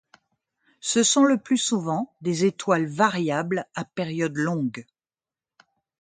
Ce sont le plus souvent des étoiles variables à période longue.